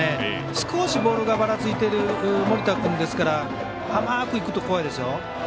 少しボールがばらついている盛田君ですから甘くいくと怖いですよ。